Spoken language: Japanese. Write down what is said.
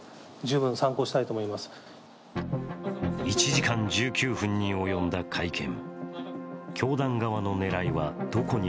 １時間１９分に及んだ会見。